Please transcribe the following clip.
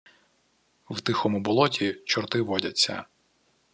В тихому болоті чорти водяться.